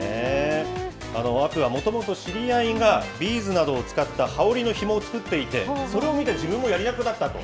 天空海、もともと知り合いがビーズなどを使った羽織のひもを作っていて、それを見て自分もやりたくなったと。